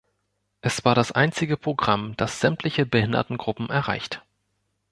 Es war das einzige Programm, das sämtliche Behindertengruppen erreicht.